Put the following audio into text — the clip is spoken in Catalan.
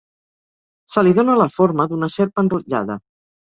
Se li dóna la forma d'una serp enrotllada.